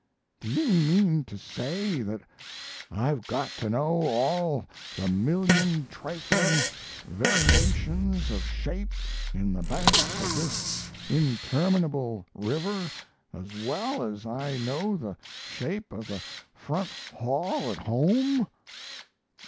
"Do you mean to say that I've got to know all the million trifling variations of shape in the banks of this interminable river as well as I know the shape of the front hall at home?"